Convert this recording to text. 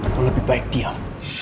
lo lebih baik diam